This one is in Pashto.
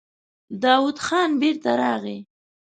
داوود خان بېرته راغی.